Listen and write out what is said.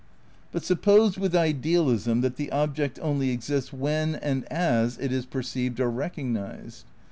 But suppose with idealism that the object only exists when and as it is perceived or recognised?